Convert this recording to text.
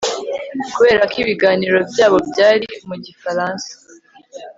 kubera ko ibiganiro byabo byari mu gifaransa